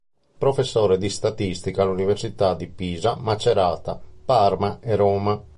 Professore di statistica all'Università di Pisa, Macerata, Parma e Roma.